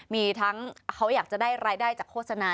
มีทั้งเขาอยากจะได้รายได้จากโฆษณา